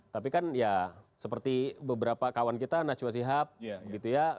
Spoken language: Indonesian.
tapi kan ya seperti beberapa kawan kita najwa sihab gitu ya